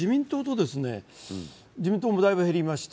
自民党もだいぶ、減りました。